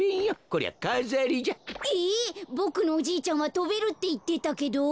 ボクのおじいちゃんはとべるっていってたけど？